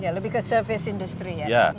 ya lebih rata